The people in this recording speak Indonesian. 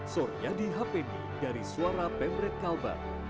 suryadi hapeni dari suara pemret kalbar